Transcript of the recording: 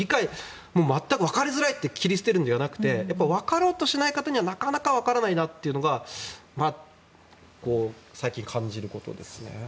全くわかりづらいと切り捨てるんじゃなくてわかろうとしない人はなかなかわからないだろうなというのは最近感じることですね。